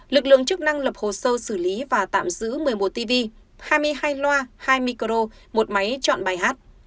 lực lượng chức năng lập hồ sơ xử lý và tạm giữ một mươi một tv hai mươi hai loa hai micro một máy chọn bài hát